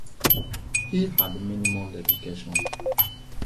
He had minimal education.